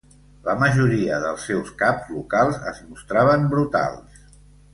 La majoria dels seus caps locals es mostraven brutals.